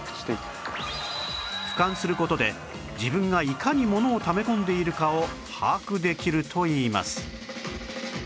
俯瞰する事で自分がいかにものをため込んでいるかを把握できるといいます